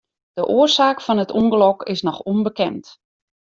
De oarsaak fan it ûngelok is noch ûnbekend.